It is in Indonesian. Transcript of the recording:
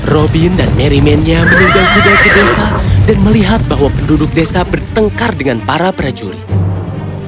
robin dan merry man nya menunggang kuda ke desa dan melihat bahwa penduduk desa bertengkar dengan para prajurit